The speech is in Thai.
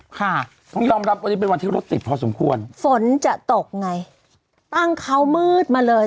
ค่ะต้องยอมรับวันนี้เป็นวันที่รถติดพอสมควรฝนจะตกไงตั้งเขามืดมาเลย